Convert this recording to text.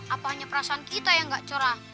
apa hanya perasaan kita yang gak cerah